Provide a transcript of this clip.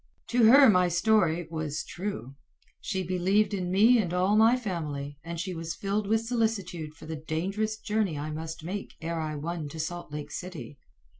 To her my story was "true." She believed in me and all my family, and she was filled with solicitude for the dangerous journey I must make ere I won to Salt Lake City.